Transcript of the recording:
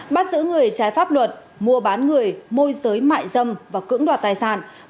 bắt giữ người trái pháp luật mua bán người môi giới mại dâm và cưỡng đoạt tài sản